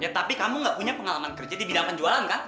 tapi kamu gak punya pengalaman kerja di bidang penjualan kan